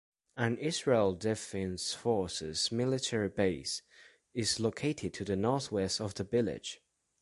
An Israel Defense Forces military base is located to the north-west of the village.